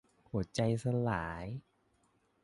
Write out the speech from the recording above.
หัวใจสลาย